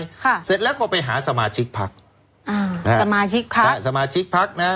ค่ะเสร็จแล้วก็ไปหาสมาชิกพักอ่าฮะสมาชิกพักนะฮะสมาชิกพักนะฮะ